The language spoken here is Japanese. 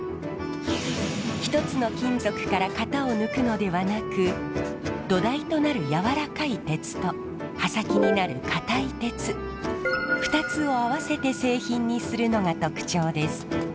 一つの金属から型を抜くのではなく土台となる軟らかい鉄と刃先になる硬い鉄２つを合わせて製品にするのが特徴です。